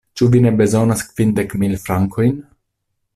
Ĉu vi ne bezonas kvindek mil frankojn?